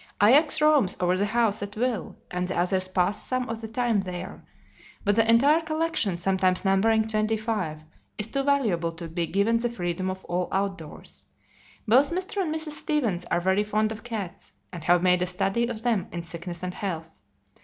Ajax roams over the house at will, and the others pass some of the time there, but the entire collection, sometimes numbering twenty five, is too valuable to be given the freedom of all outdoors. Both Mr. and Mrs. Stevens are very fond of cats, and have made a study of them in sickness and health.